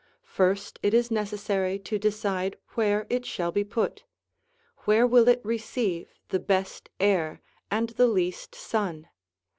First it is necessary to decide where it shall be put. Where will it receive the best air and the least sun?